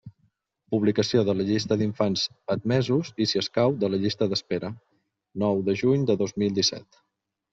Publicació de la llista d'infants admesos i, si escau, de la llista d'espera: nou de juny de dos mil disset.